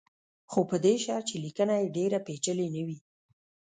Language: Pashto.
خو په دې شرط چې لیکنه یې ډېره پېچلې نه وي.